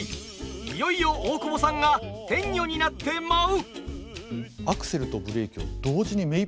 いよいよ大久保さんが天女になって舞う。